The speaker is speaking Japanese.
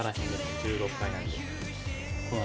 １６階なんで。